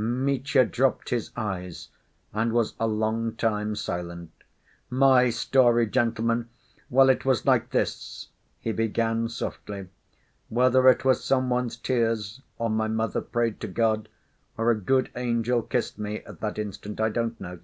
Mitya dropped his eyes and was a long time silent. "My story, gentlemen? Well, it was like this," he began softly. "Whether it was some one's tears, or my mother prayed to God, or a good angel kissed me at that instant, I don't know.